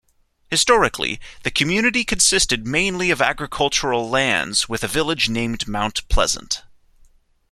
Historically, the community consisted mainly of agricultural lands with a village named Mount Pleasant.